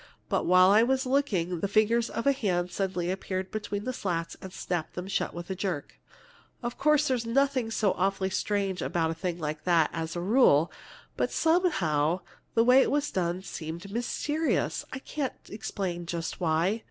But while I was looking, the fingers of a hand suddenly appeared between the slats and snapped them shut with a jerk. "Of course, there's nothing so awfully strange about a thing like that, as a rule, but somehow the way it was done seemed mysterious. I can't explain just why.